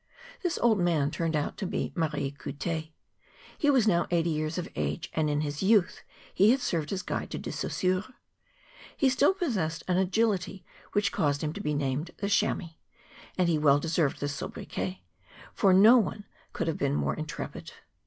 This old man turned out to be Marie Couttet; he was now eighty years of age, and in his youth he had served as guide to De Saussure. He still possessed an agility which caused him to be named ' The Chamois; ' and he well deserved this sobriquet, for no one could have been more intrepid.